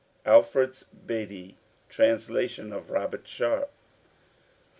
Alfred's 'Bede': Translation of Robert Sharp.